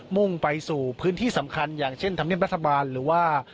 ่งไปสู่พื้นที่สำคัญอย่างเช่นธรรมเนียบรัฐบาลหรือว่า